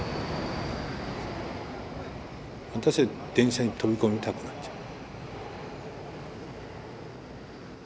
私は電車に飛び込みたくなっちゃう。